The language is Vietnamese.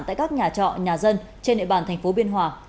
tại các nhà trọ nhà dân trên địa bàn thành phố biên hòa